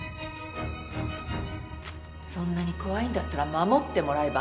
そんなに怖いんだったら守ってもらえば？